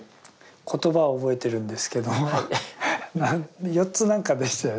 言葉は覚えてるんですけども四つ何かでしたよね。